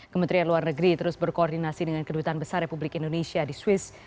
kementerian luar negeri terus berkoordinasi dengan kedutaan besar republik indonesia di swiss